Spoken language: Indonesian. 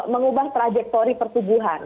mengubah trajektori pertumbuhan